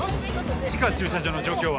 地下駐車場の状況は？